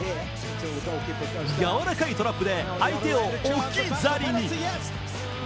柔らかいトラップで相手を置き去りに。